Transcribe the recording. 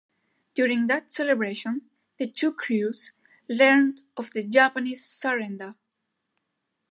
During that celebration, the two crews learned of the Japanese surrender.